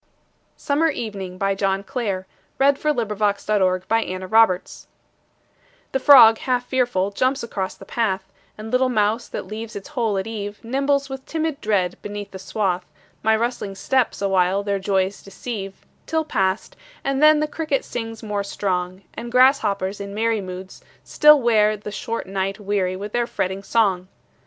ll danger towers, In every place the very wasp of flowers. Summer Evening The frog half fearful jumps across the path, And little mouse that leaves its hole at eve Nimbles with timid dread beneath the swath; My rustling steps awhile their joys deceive, Till past, and then the cricket sings more strong, And grasshoppers in merry moods still wear The short night weary with their fretting song.